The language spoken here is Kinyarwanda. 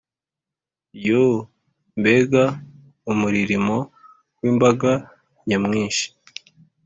Yoo! Mbega umuririmo w’imbaga nyamwinshi,